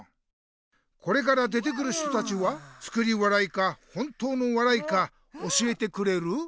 これから出てくる人たちは「作り笑い」か「本当の笑い」か教えてくれる？